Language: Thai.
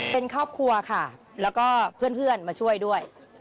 เป็นครอบครัวค่ะแล้วก็เพื่อนมาช่วยด้วย